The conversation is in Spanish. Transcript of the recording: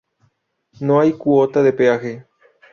No hay cuota de peaje.